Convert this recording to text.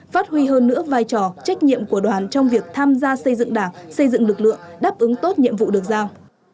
phát huy hơn nữa vai trò trách nhiệm của đoàn trong việc tham gia xây dựng đảng xây dựng lực lượng đáp ứng tốt nhiệm vụ được giao